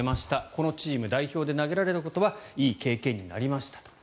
このチーム代表で投げられたことはいい経験になりましたと。